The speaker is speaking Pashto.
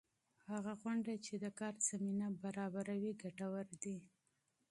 هغه پروګرام چې د کار زمینه برابروي ګټور دی.